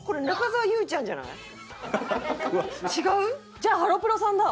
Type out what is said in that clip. じゃあハロプロさんだ！